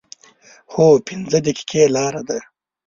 هو، پنځه دقیقې لاره ده